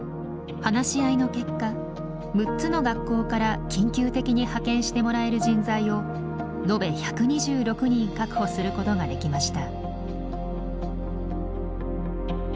話し合いの結果６つの学校から緊急的に派遣してもらえる人材をのべ１２６人確保することができました。